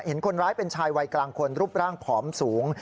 เห็นคนร้ายเป็นชายวัยกลางคนรูปร่างผอมสูง